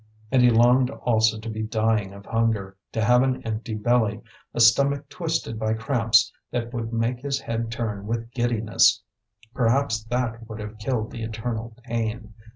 And he longed also to be dying of hunger, to have an empty belly, a stomach twisted by cramps that would make his head turn with giddiness: perhaps that would have killed the eternal pain.